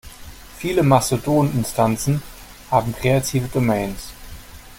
Viele Mastodon-Instanzen haben kreative Domains.